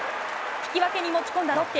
引き分けに持ち込んだロッテ。